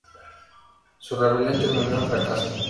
Su rebelión terminó en fracaso.